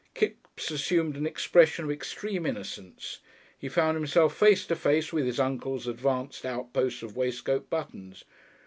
Kipps assumed an expression of extreme innocence. He found himself face to face with his uncle's advanced outposts of waistcoat buttons.